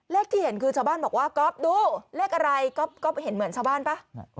ที่เห็นคือชาวบ้านบอกว่าก๊อฟดูเลขอะไรก๊อฟเห็นเหมือนชาวบ้านป่ะ